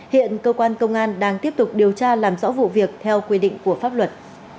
hiện cơ quan công an đang tiếp tục điều tra làm rõ vụ việc theo quy định của pháp luật